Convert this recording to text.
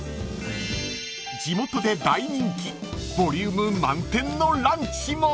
［地元で大人気ボリューム満点のランチも］